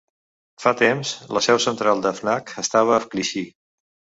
Fa temps la seu central de Fnac estava a Clichy.